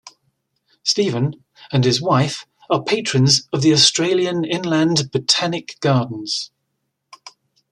Stephen and his wife are patrons of the Australian Inland Botanic Gardens.